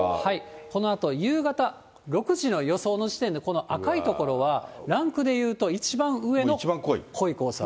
このあと夕方６時の予想の時点で、この赤い所は、ランクで言うと一番上の濃い黄砂。